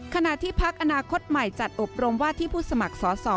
ขณะที่พักอนาคตใหม่จัดอบรมว่าที่ผู้สมัครสอสอ